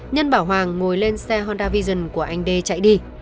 nhân bảo hoàng ngồi lên xe honda vision của anh đê chạy đi